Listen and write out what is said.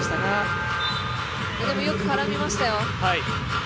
でも、よく絡みましたよ。